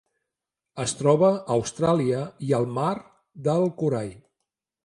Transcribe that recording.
Es troba a Austràlia i al Mar del Corall.